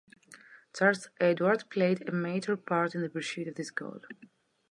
Charles Edward played a major part in the pursuit of this goal.